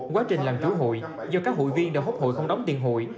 quá trình làm chứa hụi do các hụi viên đã hút hụi không đóng tiền hụi